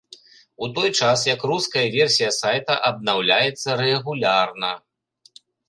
У той час як руская версія сайта абнаўляецца рэгулярна.